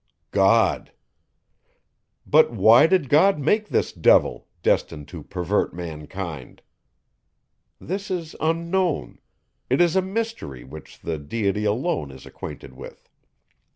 God. But, why did God make this devil, destined to pervert mankind? This is unknown; it is a mystery which the Deity alone is acquainted with.